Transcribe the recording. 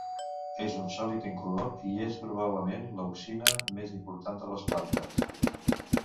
És un sòlid incolor i és probablement l'auxina més important de les plantes.